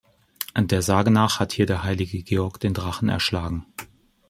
Der Sage nach hat hier der Heilige Georg den Drachen erschlagen.